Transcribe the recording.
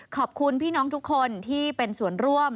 ขอบคุณพี่น้องทุกคนที่เป็นส่วนร่วม